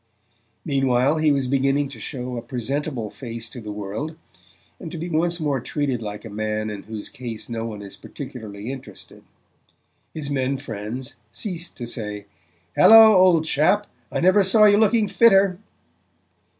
Meanwhile he was beginning to show a presentable face to the world, and to be once more treated like a man in whose case no one is particularly interested. His men friends ceased to say: "Hallo, old chap, I never saw you looking fitter!"